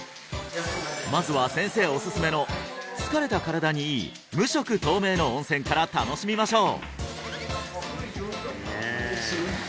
まずは先生おすすめの疲れた身体にいい無色透明の温泉から楽しみましょう！